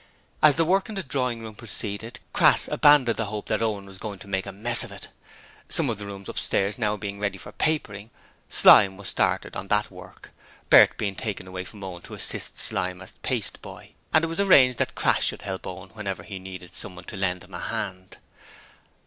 As the work in the drawing room proceeded, Crass abandoned the hope that Owen was going to make a mess of it. Some of the rooms upstairs being now ready for papering, Slyme was started on that work, Bert being taken away from Owen to assist Slyme as paste boy, and it was arranged that Crass should help Owen whenever he needed someone to lend him a hand.